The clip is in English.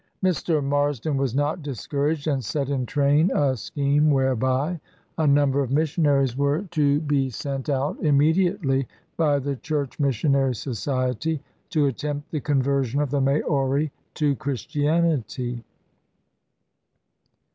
Mr. Marsden was not discouraged, and set in train a scheme whereby a number of missionaries were to be 495 ISLANDS OF THE PACIFIC sent out immediately by the Church Missionary Society, to attempt the conversion of the Maori to Christianity.